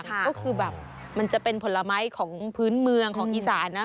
ก็คือแบบมันจะเป็นผลไม้ของพื้นเมืองของอีสานนะ